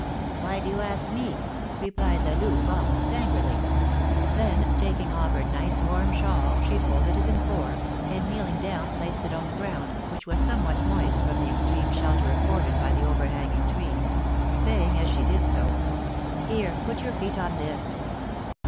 "Why do you ask me?" replied La Louve, almost angrily; then taking off her nice warm shawl, she folded it in four, and, kneeling down, placed it on the ground, which was somewhat moist from the extreme shelter afforded by the overhanging trees, saying, as she did so, "Here, put your feet on this."